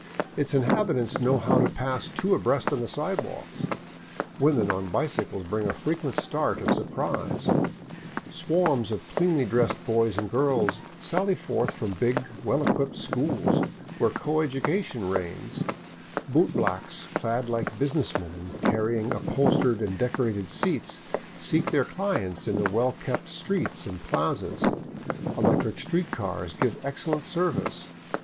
Its inhabitants know how to pass two abreast on the sidewalks ; women on bicycles bring a frequent start of surprise; swarms of cleanly dressed boys and girls sally forth from big, well equipped schools, where coeducation reigns; bootblacks clad like business men and carrying upholstered and decorated seats seek their clients in the well kept streets and plazas; electric street cars give excellent service.